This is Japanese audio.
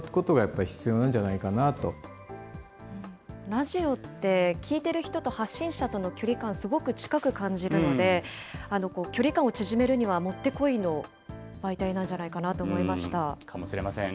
ラジオって、聴いてる人と発信者との距離感、すごく近く感じるので、距離感を縮めるにはもってこいの媒体なんじゃないかなと思いましかもしれません。